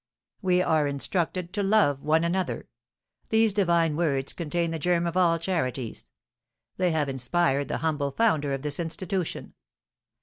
"We are instructed to 'Love one another!' These divine words contain the germ of all charities. They have inspired the humble founder of this institution.